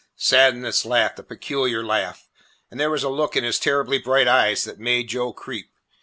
Sadness laughed a peculiar laugh, and there was a look in his terribly bright eyes that made Joe creep.